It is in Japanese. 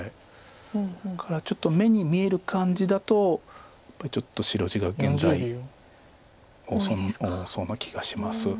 だからちょっと目に見える感じだとやっぱりちょっと白地が現在多そうな気がします。